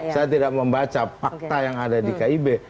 saya tidak membaca fakta yang ada di kib